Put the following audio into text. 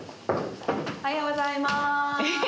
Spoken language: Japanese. おはようございます。